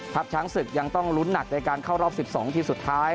ช้างศึกยังต้องลุ้นหนักในการเข้ารอบ๑๒ทีมสุดท้าย